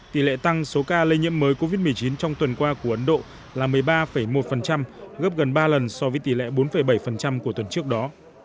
tỷ lệ tăng số ca lây nhiễm mới covid một mươi chín trong tuần qua của ấn độ là một mươi ba một gấp gần ba lần so với tỷ lệ bốn bảy của tuần trước đó